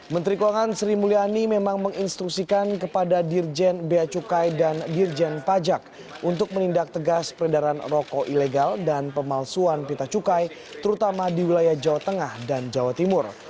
menteri keuangan sri mulyani memang menginstruksikan kepada dirjen bea cukai dan dirjen pajak untuk menindak tegas peredaran rokok ilegal dan pemalsuan pita cukai terutama di wilayah jawa tengah dan jawa timur